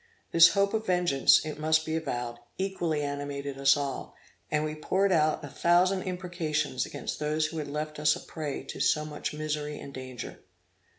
This hope of vengeance, it must be avowed, equally animated us all; and we poured out a thousand imprecations against those who had left us a prey to so much misery and danger.